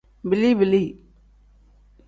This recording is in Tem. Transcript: Bili-bili.